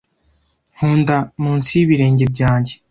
nkunda munsi y'ibirenge byanjye